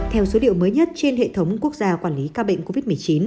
theo số liệu mới nhất trên hệ thống quốc gia quản lý ca bệnh covid một mươi chín